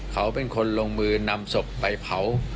เขาเป็นคนลงมือนำศพไปเผา